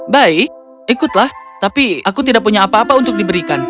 baik ikutlah tapi aku tidak punya apa apa untuk diberikan